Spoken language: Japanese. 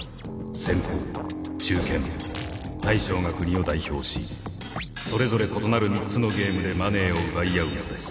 先鋒中堅大将が国を代表しそれぞれ異なる３つのゲームでマネーを奪い合うのです。